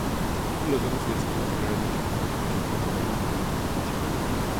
Los ojos se describen generalmente como pequeños y ocultos bajo una frente pronunciada.